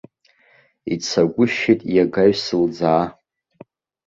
Ицагәышьеит иагаҩ сылӡаа.